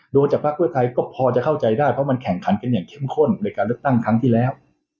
จากภาคเพื่อไทยก็พอจะเข้าใจได้เพราะมันแข่งขันกันอย่างเข้มข้นในการเลือกตั้งครั้งที่แล้ว